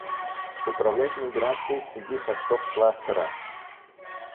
Управлять миграцией среди хостов кластера